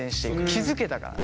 気付けたから。